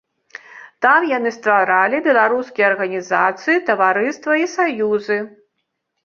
Там яны стваралі беларускія арганізацыі, таварыства і саюзы.